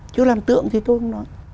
chứ làm tượng thì tôi không nói